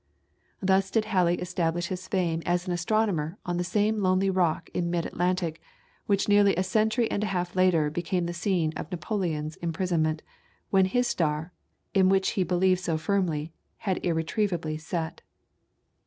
Thus did Halley establish his fame as an astronomer on the same lonely rock in mid Atlantic, which nearly a century and a half later became the scene of Napoleon's imprisonment, when his star, in which he believed so firmly, had irretrievably set.